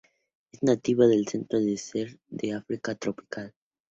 Es nativa del centro y sur de África tropical.